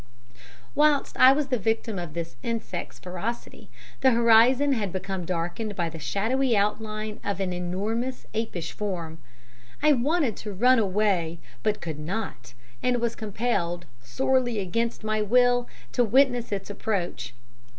"Whilst I was the victim of this insect's ferocity the horizon had become darkened by the shadowy outline of an enormous apish form. I wanted to run away, but could not, and was compelled, sorely against my will, to witness its approach.